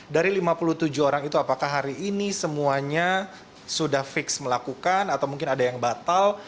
dari lima puluh tujuh orang itu apakah hari ini semuanya sudah fix melakukan atau mungkin ada yang batal